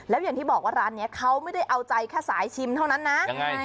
แล้วอย่างที่บอกว่าร้านนี้เขาไม่ได้เอาใจแค่สายชิมเท่านั้นนะยังไง